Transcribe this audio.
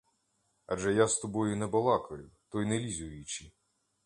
Адже я з тобою не балакаю, то й не лізь у вічі.